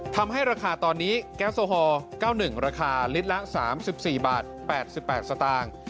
ทำให้ราคาตอนนี้แก๊สโอฮอล๙๑ราคาลิตรละ๓๔บาท๘๘สตางค์